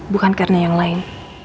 bukan karena yang lain